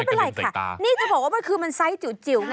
ไม่เป็นไรค่ะนี่จะบอกว่ามันคือมันไซส์จิ๋วไง